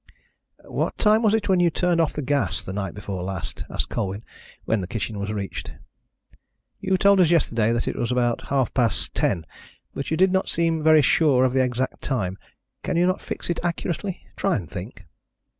"What time was it when you turned off the gas the night before last?" asked Colwyn, when the kitchen was reached. "You told us yesterday that it was about half past ten, but you did not seem very sure of the exact time. Can you not fix it accurately? Try and think."